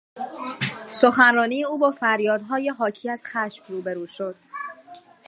سخنرانی او با فریادهای حاکی از خشم روبرو شد.